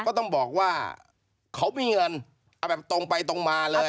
ก็ต้องบอกว่าเขามีเงินเอาแบบตรงไปตรงมาเลย